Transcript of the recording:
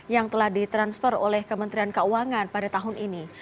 yang telah ditransfer oleh kementerian keuangan pada tahun ini